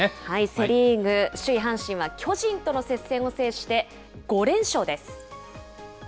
セ・リーグ、首位阪神は巨人との接戦を制して、５連勝です。